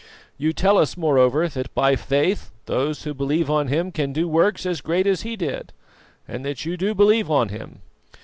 You tell us, moreover, that by faith those who believe on Him can do works as great as He did, and that you do believe on Him.